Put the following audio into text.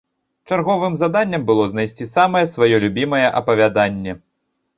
Чарговым заданнем было знайсці самае сваё любімае апавяданне.